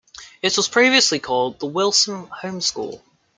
It was previously called the Wilson Home School.